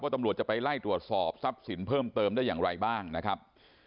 ตำรวจจะไปไล่ตรวจสอบทรัพย์สินเพิ่มเติมได้อย่างไรบ้างนะครับ